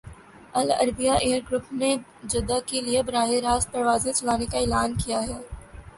العربیہ air group نے جدہ کے لیے براہ راست پروازیں چلانے کا اعلان کیا ہے